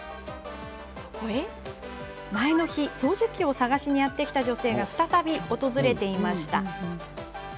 前の日、掃除機を探しにやって来た女性が再び訪れていました。